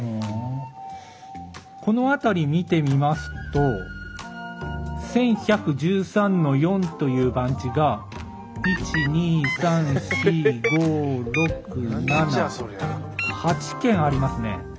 この辺り見てみますと１１１３の４という番地が１２３４５６７８軒ありますね。